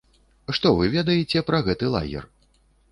Што вы ведаеце пра гэты лагер?